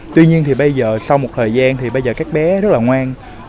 tuy nhiên thì bây giờ sau một thời gian thì bây giờ các bé rất là ngoan